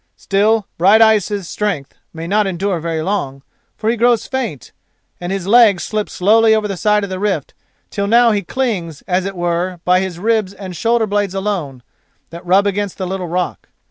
Still, Brighteyes' strength may not endure very long, for he grows faint, and his legs slip slowly over the side of the rift till now he clings, as it were, by his ribs and shoulder blades alone, that rub against the little rock.